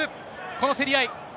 この競り合い。